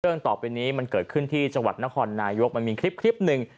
เรื่องต่อไปนี้มันเกิดขึ้นที่จนครนายุกมีคลิปหนึ่ง